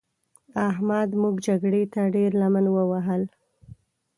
احمد موږ جګړې ته ډېره لمن ووهل.